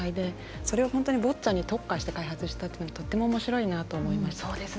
それをボッチャに特化して開発したのは本当、おもしろいなと思います。